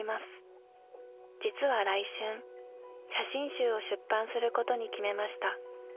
実は来春写真集を出版することに決めました。